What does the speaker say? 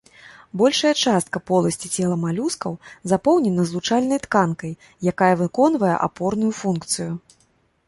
Большая частка поласці цела малюскаў запоўнена злучальнай тканкай, якая выконвае апорную функцыю.